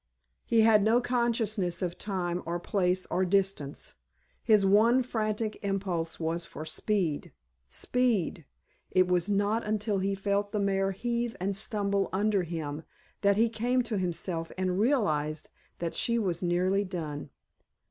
He had no consciousness of time or place or distance. His one frantic impulse was for speed, speed! It was not until he felt the mare heave and stumble under him that he came to himself and realized that she was nearly done.